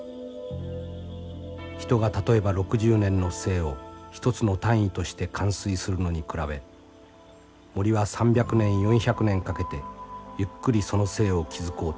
人が例えば６０年の生を一つの単位として完遂するのに比べ森は３００年４００年かけてゆっくりその生を築こうとする。